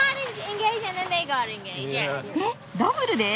えっダブルで！？